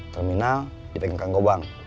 terminal dipegang kang gobang